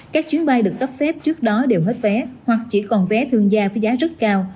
các chuyến bay được cấp phép trước đó đều hết vé hoặc chỉ còn vé thương gia với giá rất cao